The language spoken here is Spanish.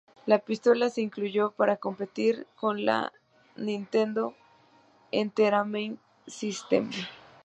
La pistola se incluyó para competir con la Nintendo Entertainment System.